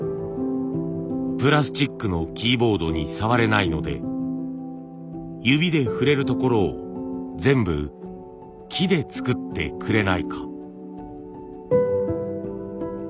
プラスチックのキーボードに触れないので指で触れる所を全部木で作ってくれないか。